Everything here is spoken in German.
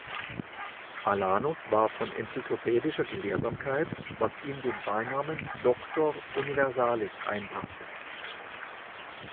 Alanus war von enzyklopädischer Gelehrsamkeit, was ihm den Beinamen "Doctor universalis" einbrachte.